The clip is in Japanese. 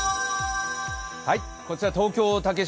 こちら東京・竹芝。